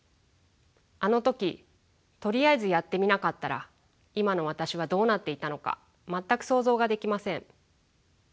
あの時とりあえずやってみなかったら今の私はどうなっていたのか全く想像ができません。